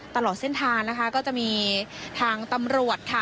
ตลอดเส้นทางนะคะก็จะมีทางตำรวจค่ะ